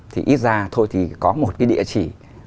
thì ít ra thôi thì có một cái địa chỉ